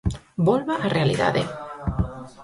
Volva á realidade.